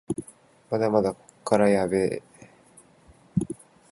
まだまだこっからやでぇ